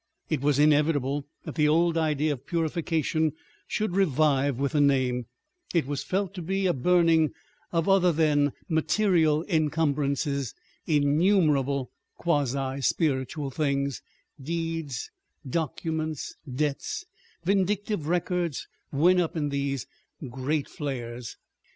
It was inevitable that the old idea of purification should revive with the name, it was felt to be a burning of other than material encumbrances, innumerable quasi spiritual things, deeds, documents, debts, vindictive records, went up on those great flares.